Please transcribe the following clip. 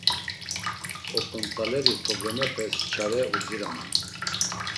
Oǩont̆aleri problemepes çare udziraman.